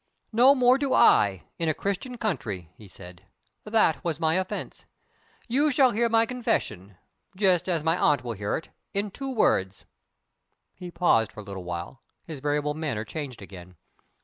"No more do I in a Christian country," he said. "That was my offense. You shall hear my confession (just as my aunt will hear it) in two words." He paused for a little while; his variable manner changed again.